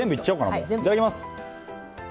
いただきます！